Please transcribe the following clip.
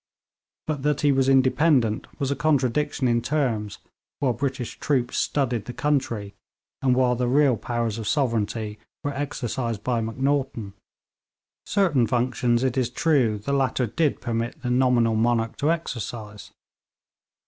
But that he was independent was a contradiction in terms while British troops studded the country, and while the real powers of sovereignty were exercised by Macnaghten. Certain functions, it is true, the latter did permit the nominal monarch to exercise.